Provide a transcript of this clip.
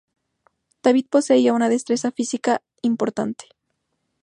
David poseía una destreza física importante.